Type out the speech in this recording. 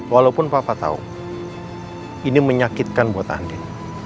walaupun papa tahu ini menyakitkan buat anda